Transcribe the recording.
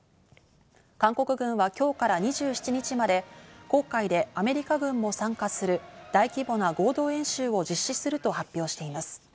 韓国軍は今日から２７日まで黄海でアメリカ軍も参加する大規模な合同演習を実施すると発表しています。